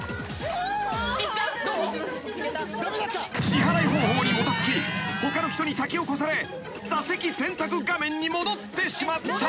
［支払い方法にもたつき他の人に先を越され座席選択画面に戻ってしまった］